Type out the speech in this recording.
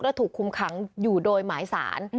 และถูกคุมขังอยู่โดยหมายสาร